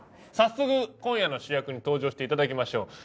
早速今夜の主役に登場して頂きましょう。